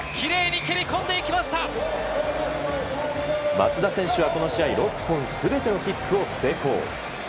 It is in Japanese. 松田選手は、この試合６本全てのキックを成功。